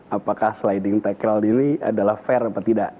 apakah sliding tackle ini adalah fair atau tidak